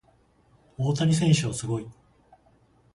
大谷選手はすごい。